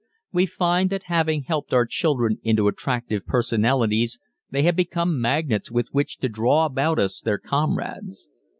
We find that having helped our children into attractive personalities they have become magnets with which to draw about us their comrades.